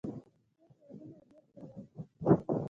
• د شپې خیالونه ډېر ژور وي.